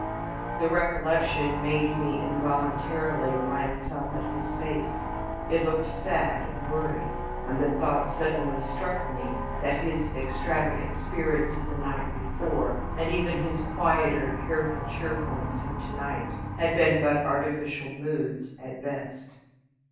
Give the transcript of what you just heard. The recollection made me involuntarily glance up at his face. It looked sad and worried, and the thought suddenly struck me that his extravagant spirits of the night before, and even his quieter, careful cheerfulness of to night, had been but artificial moods at best.